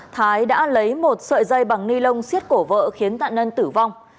thái đã lấy một sợi dây bằng ni lông xiết cổ vợ khiến tạ nân tử vong